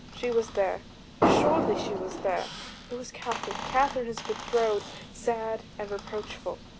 She was there, assuredly she was there; it was Katherine, Katherine his betrothed, sad and reproachful.